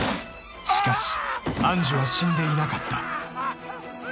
［しかし愛珠は死んでいなかった］